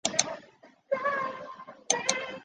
因发现了价格低廉的制铝方法而知名。